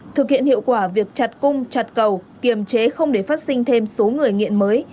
thực hiện hiệu quả việc chặt cung chặt cầu kiềm chế không để phát sinh thêm số người nghiện mới